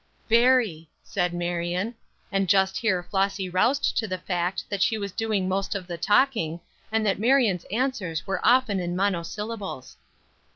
"Very," said Marion; and just here Flossy roused to the fact that she was doing most of the talking, and that Marion's answers were often in monosyllables.